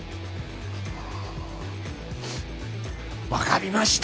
わかりました！